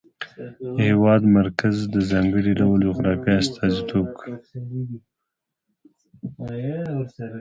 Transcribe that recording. د هېواد مرکز د ځانګړي ډول جغرافیه استازیتوب کوي.